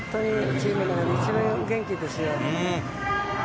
チームの中で一番元気ですよ。